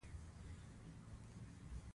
ډېری کسان په ښکلو شعارونو واک ته رسېدلي دي.